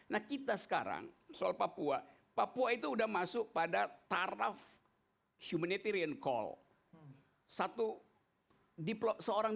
nah kita sekarang soal papua papua itu udah masuk pada taraf humanitarian call satu diplo seorang